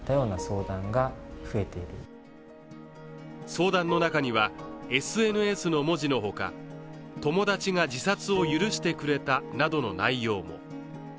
相談の中には、ＳＮＳの文字の他「友達が自殺を許してくれた」などの内容も。